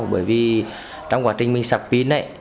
bởi vì trong quá trình mình sạc pin ấy